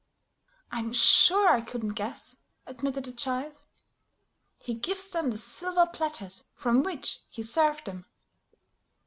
"I'm sure I couldn't guess," admitted the child. "He gives them the silver platters from which he served them."